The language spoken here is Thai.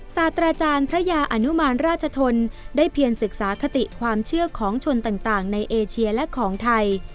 ศาสตราจารย์พระยาอนุมานราชทนได้เพียรศึกษาคติความเชื่อของชนต่างในเอเชียและของไทย